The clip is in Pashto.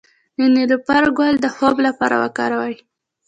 د نیلوفر ګل د خوب لپاره وکاروئ